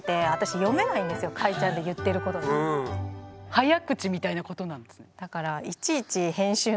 早口みたいなことなんです？